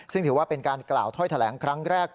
ซึ่งถือว่าเป็นการกล่าวถ้อยแถลงครั้งแรก